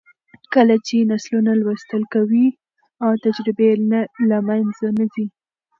کله چې نسلونه لوستل کوي، تجربې له منځه نه ځي.